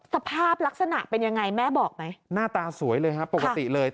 สภาพลักษณะเป็นยังไงแม่บอกไหมหน้าตาสวยเลยครับปกติเลย